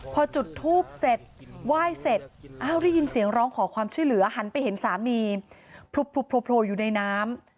พอจุดทูบเสร็จไหว้เสร็จอ้าวได้ยินเสียงร้องขอความช่วยเหลือหันไปเห็นสามีผลโผล่อยู่ในน้ำ